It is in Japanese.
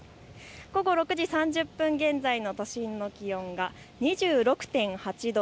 午後６時３０分現在の都心の気温は２６．８度。